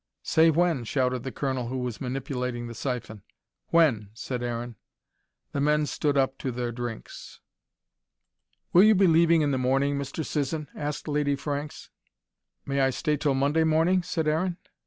"Say when," shouted the Colonel, who was manipulating the syphon. "When," said Aaron. The men stood up to their drinks. "Will you be leaving in the morning, Mr. Sisson?" asked Lady Franks. "May I stay till Monday morning?" said Aaron.